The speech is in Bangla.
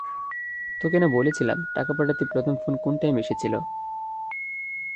তোকে না বলেছিলাম টাকা পাঠাতে প্রথম ফোন কোন টাইমে এসেছিলো?